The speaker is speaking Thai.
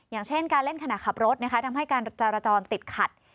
อย่างเช่นการเล่นขณะขับรถนะคะทำให้การจราจรติดขัด